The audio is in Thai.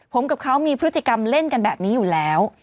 ผมกับเขามีพฤติกรรมเล่นกันแบบนี้อยู่แล้ว